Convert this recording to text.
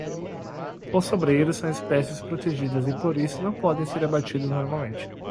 Os sobreiros são espécies protegidas e por isso não podem ser abatidos normalmente.